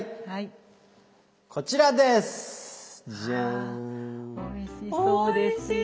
はいこちらです。